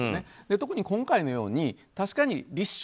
特に今回のように確かに立証